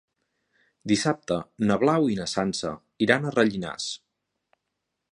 Dissabte na Blau i na Sança iran a Rellinars.